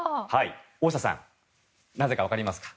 大下さん、なぜかわかりますか？